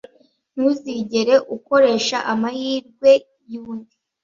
Ntuzigere ukoresha amahirwe yundi